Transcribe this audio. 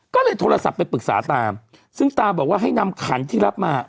ก็เลยโทรศัพท์ไปปรึกษาตาซึ่งตาบอกว่าให้นำขันที่รับมา